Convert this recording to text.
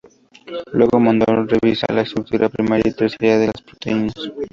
Luego, Monod revisa la estructura primaria y terciaria de las proteínas.